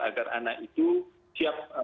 agar anak itu siap